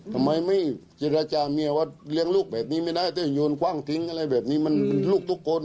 ทำไมไม่เจรจาเมียว่าเลี้ยงลูกแบบนี้ไม่ได้ถ้าโยนกว้างทิ้งอะไรแบบนี้มันลูกทุกคน